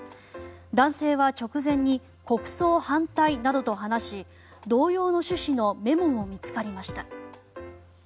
男性は直前に国葬反対などと話し同様の趣旨のメモも見つかりました。